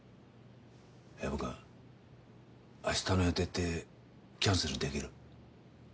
藪くん明日の予定ってキャンセルできる？